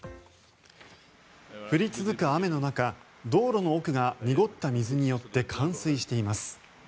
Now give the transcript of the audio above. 降り続く雨の中道路の奥が濁った水によって冠水しています。